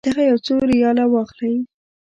دغه یو څو ریاله واخلئ.